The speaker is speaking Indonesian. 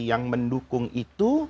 yang mendukung itu